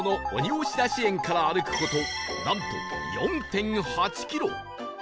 押出し園から歩く事なんと ４．８ キロ